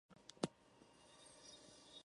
Posteriormente se construyó una cárcel y una corte.